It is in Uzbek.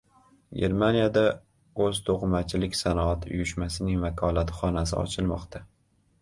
Germaniyada "O‘zto‘qimachiliksanoat" uyushmasining vakolatxonasi ochilmoqda